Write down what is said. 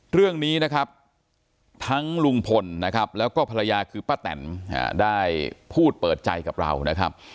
เรื่องนี้นะครับทั้งลุงพลนะครับแล้วก็ภรรยาคือป้าแตนได้พูดเปิดใจกับเรานะครับ